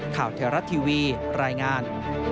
ข่าวเทวรัฐทีวีรายงาน